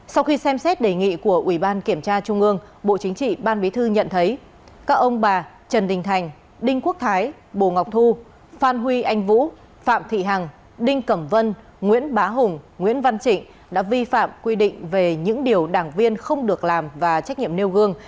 sau khi xem xét đề nghị của ủy ban kiểm tra trung ương bộ chính trị ban bí thư nhận thấy các ông bà trần đình thành đinh quốc thái bồ ngọc thu phan huy anh vũ phạm thị hằng đinh cẩm vân nguyễn bá hùng nguyễn văn trịnh đã vi phạm quy định về những điều đảng viên không được làm và trách nhiệm nêu gương